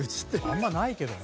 あんまないけどね。